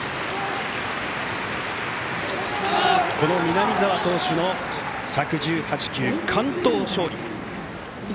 南澤投手の１１８球完投勝利。